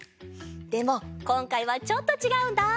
でもこんかいはちょっとちがうんだ！